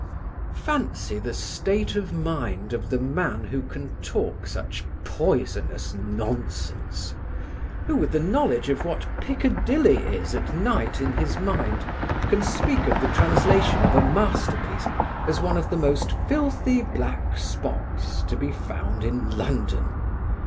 Fancy the state of mind of the man who can talk such poisonous nonsense; who, with the knowledge of what Piccadilly is at night in his mind, can speak of the translation of a masterpiece as one of the "most filthy black spots" to be found in London.